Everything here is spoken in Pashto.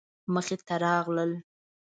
مخې ته راغلل.